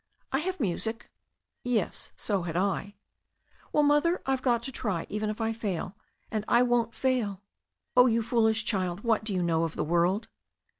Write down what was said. "I have music." "Yes, so had I." "Well, Mother, I've got to try, even if I fail, and I won't fail." "Oh, you foolish child, what do you know of the world?"